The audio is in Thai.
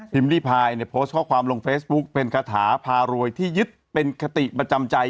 รีพายเนี่ยโพสต์ข้อความลงเฟซบุ๊กเป็นคาถาพารวยที่ยึดเป็นคติประจำใจ